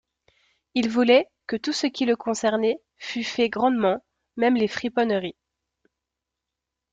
Il voulait que tout ce qui le concernait fût fait grandement, même les friponneries.